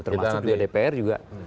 termasuk juga dpr wajib